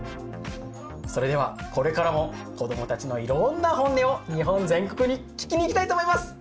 それではこれからも子どもたちのいろんなホンネを日本全国に聞きにいきたいと思います。